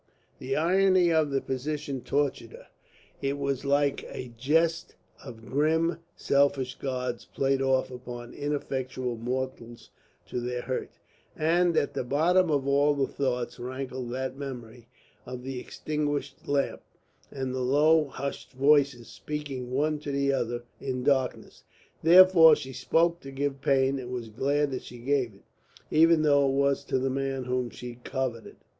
The irony of the position tortured her; it was like a jest of grim selfish gods played off upon ineffectual mortals to their hurt. And at the bottom of all the thoughts rankled that memory of the extinguished lamp, and the low, hushed voices speaking one to the other in darkness. Therefore she spoke to give pain and was glad that she gave it, even though it was to the man whom she coveted.